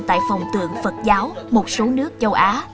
tại phòng tượng phật giáo một số nước châu á